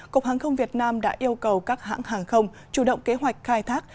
cục hàng không việt nam đã yêu cầu các hãng hàng không chủ động kế hoạch khai thác